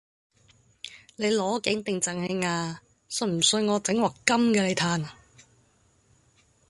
你攞景定贈慶啊？信唔信我整鑊金嘅你嘆！